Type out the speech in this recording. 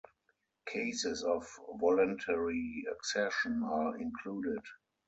Cases of voluntary accession are included.